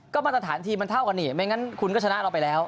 ก็มาตรฐานทีมมันเท่ากันนี่ไม่งั้นคุณก็ชนะเราไปแล้ว